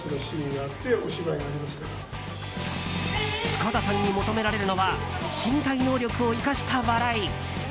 塚田さんに求められるのは身体能力を生かした笑い。